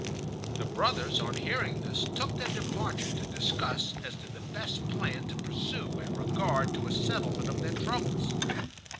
'" The brothers, on hearing this, took their departure to discuss as to the best plan to pursue in regard to a settlement of their troubles.